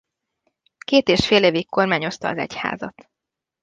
Két és fél évig kormányozta az egyházat.